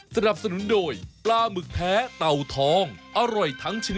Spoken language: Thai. ชื่ออันนี้